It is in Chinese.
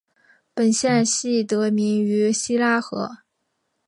本县系得名于希拉河。